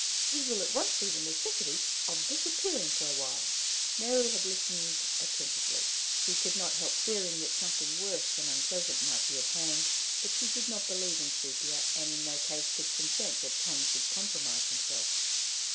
He will at once see the necessity of disappearing for a while." Mary had listened attentively. She could not help fearing that something worse than unpleasant might be at hand; but she did not believe in Sepia, and in no case could consent that Tom should compromise himself.